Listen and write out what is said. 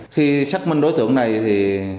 khi xác minh đối tượng này thì